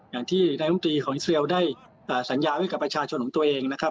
อย่างที่นายมตรีของอิสราเอลได้สัญญาไว้กับประชาชนของตัวเองนะครับ